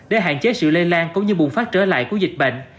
để hạn chế sự lây lan cũng như bùng phát trở lại của dịch bệnh